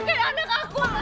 dia mau cakir anak aku